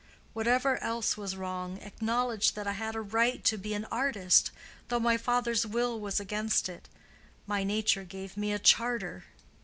Whatever else was wrong, acknowledge that I had a right to be an artist, though my father's will was against it. My nature gave me a charter."